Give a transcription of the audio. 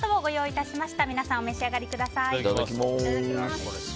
いただきます。